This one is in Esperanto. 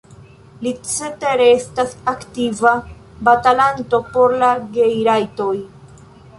Li cetere estas aktiva batalanto por la gej-rajtoj.